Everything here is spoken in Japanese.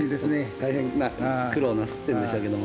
大変な苦労をなさっているんでしょうけども。